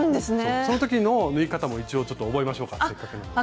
その時の縫い方も一応ちょっと覚えましょうかせっかくなんで。